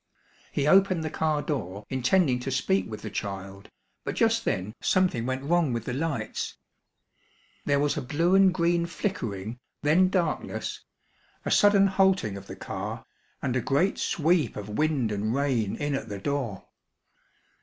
He opened the car door, intending to speak with the child, but just then something went wrong with the lights. There was a blue and green flickering, then darkness, a sudden halting of the car, and a great sweep of wind and rain in at the door.